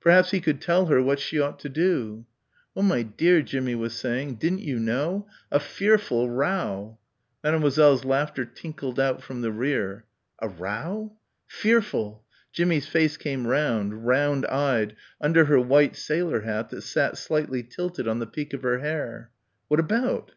Perhaps he could tell her what she ought to do. "Oh, my dear," Jimmie was saying, "didn't you know? a fearful row." Mademoiselle's laughter tinkled out from the rear. "A row?" "Fearful!" Jimmie's face came round, round eyed under her white sailor hat that sat slightly tilted on the peak of her hair. "What about?"